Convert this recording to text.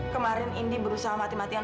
kemarin indi berusaha mati matian